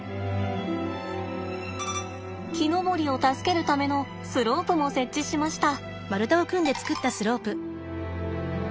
木登りを助けるためのスロープも設置しました。